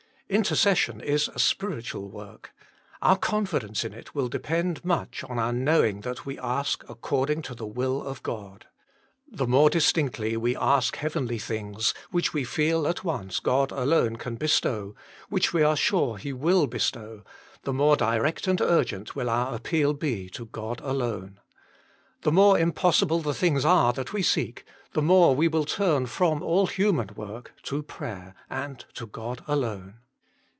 Intercession is a spiritual work. Our confidence in it will depend much on our knowing that we ask according to the will of God. The more distinctly we ask heavenly things, which we feel at once God alone can bestow, which we are sure He will bestow, the more direct and urgent will our appeal be to God alone. The more impossible the things are that we seek, the more we will turn from all human work to prayer and to God alone.